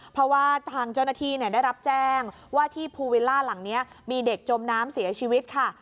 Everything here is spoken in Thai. เพราะว่าทางเจ้าหน้าที่ได้รับแจ้งว่าที่ภูวิลล่าหลังนี้มีเด็กจมน้ำเสียชีวิตค่ะ